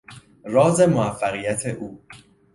راز موفقیت او